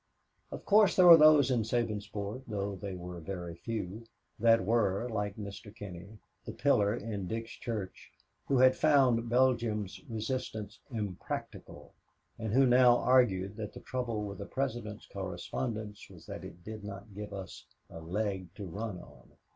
Of course there were those in Sabinsport, though they were very few, that were, like Mr. Kinney, the pillar in Dick's church, who had found Belgium's resistance "impractical," and who now argued that the trouble with the President's correspondence was that it did not give us "a leg to run on."